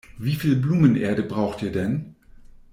Wie viel Blumenerde braucht ihr denn?